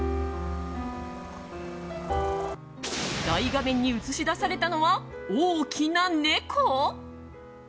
大画面に映し出されたのは大きな猫？